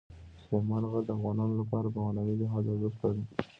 سلیمان غر د افغانانو لپاره په معنوي لحاظ ارزښت لري.